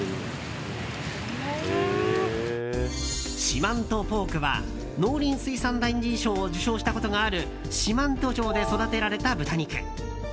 四万十ポークは農林水産大臣賞を受賞したことがある四万十町で育てられた豚肉。